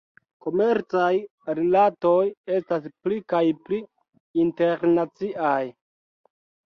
Komercaj rilatoj estas pli kaj pli internaciaj.